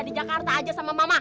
di jakarta aja sama mama